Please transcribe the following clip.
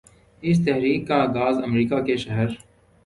اس تحریک کا آغاز امریکہ کہ شہر